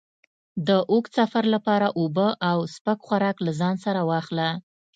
د اوږد سفر لپاره اوبه او سپک خوراک له ځان سره واخله.